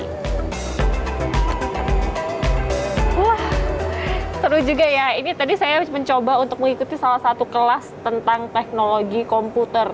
wah seru juga ya ini tadi saya mencoba untuk mengikuti salah satu kelas tentang teknologi komputer